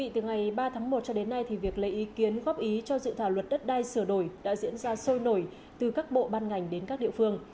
từ ngày ba tháng một cho đến nay việc lấy ý kiến góp ý cho dự thảo luật đất đai sửa đổi đã diễn ra sôi nổi từ các bộ ban ngành đến các địa phương